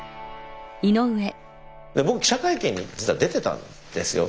僕記者会見に実は出てたんですよ。